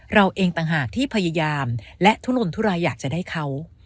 เราเองต่างหากที่พยายามและทุลนทุรายอยากจะได้เขา